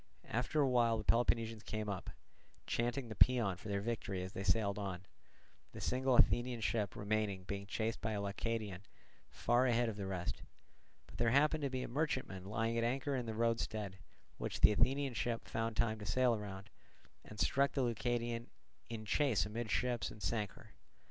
After a while the Peloponnesians came up, chanting the paean for their victory as they sailed on; the single Athenian ship remaining being chased by a Leucadian far ahead of the rest. But there happened to be a merchantman lying at anchor in the roadstead, which the Athenian ship found time to sail round, and struck the Leucadian in chase amidships and sank her.